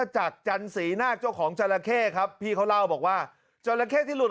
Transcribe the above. จอละเข้ที่หลุดออกมาเนี่ย